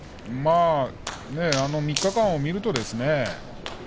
３日間を見るとですね